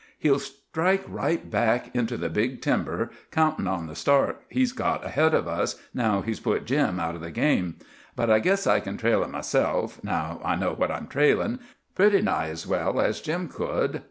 He'll strike right back into the big timber, countin' on the start he's got of us, now he's put Jim out of the game. But I guess I kin trail him myself—now I know what I'm trailin'—pretty nigh as well as Jim could.